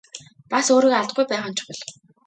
Бас өөрийгөө алдахгүй байх нь чухал.